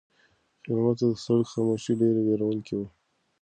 خیر محمد ته د سړک خاموشي ډېره وېروونکې وه.